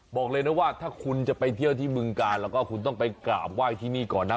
บอกเลยนะว่าถ้าคุณจะไปเที่ยวที่บึงกาลแล้วก็คุณต้องไปกราบไหว้ที่นี่ก่อนนะ